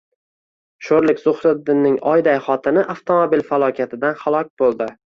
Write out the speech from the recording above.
Sho‘rlik Zuhriddinning oyday xotini avtomobil falokatidan halok bo‘ldi.